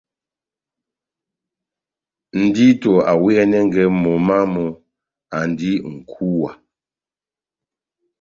Ndito awɛnɛngɛ momó wamu, andi nʼkúwa.